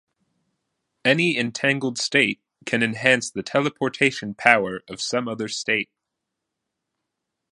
Any entangled state can enhance the teleportation power of some other state.